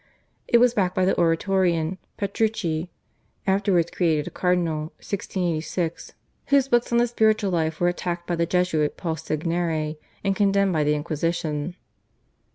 It was backed by the Oratorian, Petrucci, afterwards created a cardinal (1686), whose books on the spiritual life were attacked by the Jesuit, Paul Segneri, and condemned by the Inquisition.